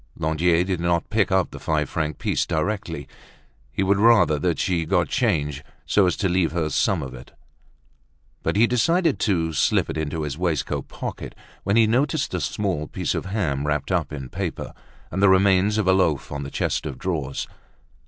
Lantier did not pick up the five franc piece directly. He would rather that she got change, so as to leave her some of it. But he decided to slip it into his waistcoat pocket, when he noticed a small piece of ham wrapped up in paper, and the remains of a loaf on the chest of drawers.